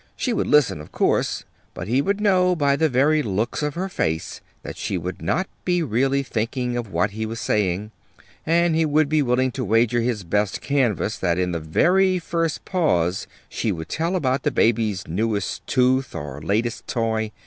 She would listen, of course, but he would know by the very looks of her face that she would not be really thinking of what he was saying; and he would be willing to wager his best canvas that in the very first pause she would tell about the baby's newest tooth or latest toy.